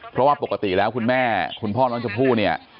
เพราะว่าปกติแล้วคุณแม่คุณพ่อน้องชมพู่เนี่ย